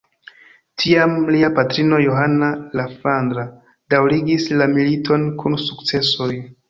Tiam lia patrino Johana la Flandra daŭrigis la militon, kun sukcesoj.